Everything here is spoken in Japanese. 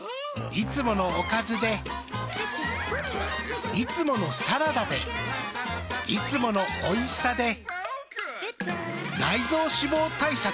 いつものおかずでいつものサラダでいつものおいしさで内臓脂肪対策。